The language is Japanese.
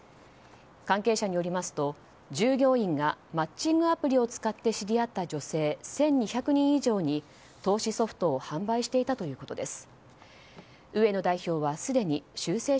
関係者によりますと、従業員がマッチングアプリを使って知り合った女性１２００人以上に投資ソフトを販売していたということです。